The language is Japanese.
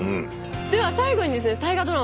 では最後にですね大河ドラマ